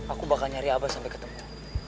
aku bakal nyari abah sampai ketemu